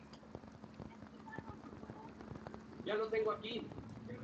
Esta sociedad fue la que impulsó la creación de la Indicación Geográfica Protegida.